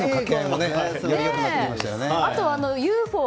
あと、ＵＦＯ。